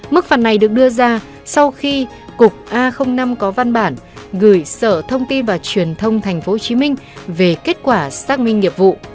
mức phạt này được đưa ra sau khi cục a năm có văn bản gửi sở thông tin và truyền thông tp hcm về kết quả xác minh nghiệp vụ